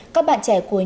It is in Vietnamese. các bạn trẻ của nhóm tỉnh